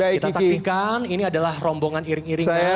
kita saksikan ini adalah rombongan iring iringan